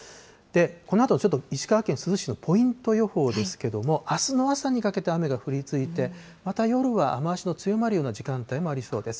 このあとちょっと石川県珠洲市のポイント予報ですけども、あすの朝にかけて雨が降り続いて、また夜は雨足の強まるような時間帯もありそうです。